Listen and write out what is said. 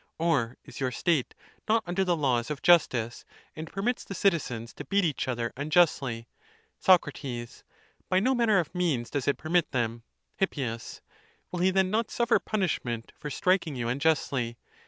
Or is your state not under the laws of justice, and permits the citizens to beat each other unjustly ? Soc. By no manner of means does it permit them. Hip. Will he then not suffer punishment, for striking you unjustly